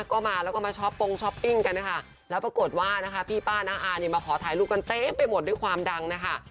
ก็มาแล้วก็มาช้อปปงช้อปปิ้งกันนะคะแล้วปรากฏว่านะคะพี่ป้าน้าอาเนี่ยมาขอถ่ายรูปกันเต็มไปหมดด้วยความดังนะคะ